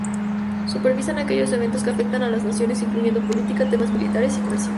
Supervisan aquellos eventos que afecten a las naciones, incluyendo política, temas militares y comercio.